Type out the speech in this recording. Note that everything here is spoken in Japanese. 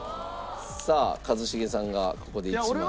さあ一茂さんがここで１枚。